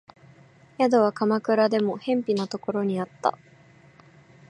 宿は鎌倉でも辺鄙なところにあった